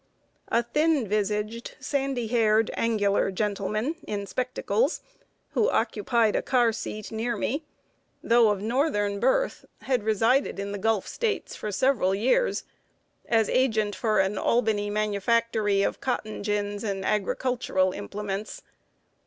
A thin visaged, sandy haired, angular gentleman in spectacles, who occupied a car seat near me, though of northern birth, had resided in the Gulf States for several years, as agent for an Albany manufactory of cotton gins and agricultural implements.